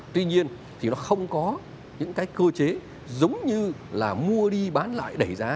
tuy nhiên thì nó không có những cái cơ chế giống như là mua đi bán lại đẩy giá